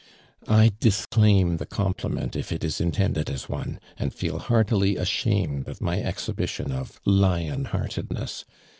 " I disclaim the compliment, if it is in tended as one, and feel heartily ashamed of my exhibition of lion heartedncss.